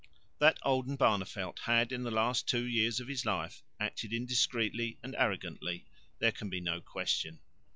That Oldenbarneveldt had in the last two years of his life acted indiscreetly and arrogantly there can be no question.